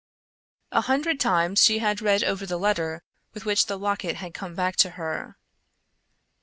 A hundred times she had read over the letter with which the locket had come back to her.